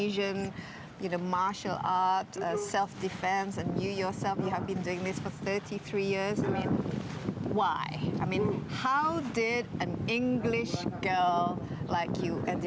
saya berlatih setiap hari untuk diri saya